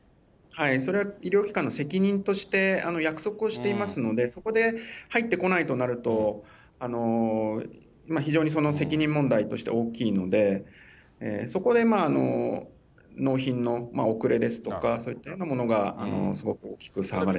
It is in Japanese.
それは医療機関の責任として約束をしていますので、そこで入ってこないとなると、非常に責任問題として大きいので、そこで納品の遅れですとか、そういったようなものがすごく大きく騒がれてる。